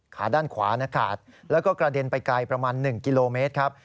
ขาด้านขวาขาดแล้วก็กระเด็นไปไกลประมาณ๑กิโลเมตรครับ